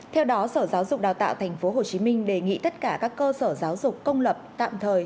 theo đó sở giáo dục đào tạo tp hcm đề nghị tất cả các cơ sở giáo dục công lập tạm thời